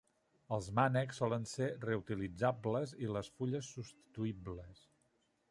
Els mànecs solen ser reutilitzables i les fulles substituïbles.